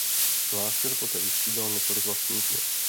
Klášter poté vystřídal několik vlastníků.